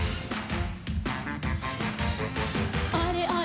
「あれあれ？